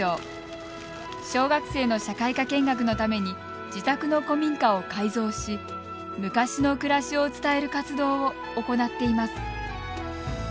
小学生の社会科見学のために自宅の古民家を改造し昔の暮らしを伝える活動を行なっています。